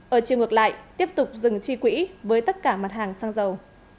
ở chiều ngược lại tiếp tục dừng chi quỹ với tất cả mặt hàng xăng dầu